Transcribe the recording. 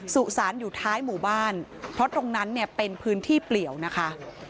สุสานอยู่ท้ายหมู่บ้านเพราะตรงนั้นเนี่ยเป็นพื้นที่เปลี่ยวนะคะ